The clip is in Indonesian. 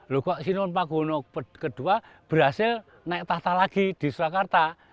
loh kok sinon paguno ii berhasil naik tahta lagi di surakarta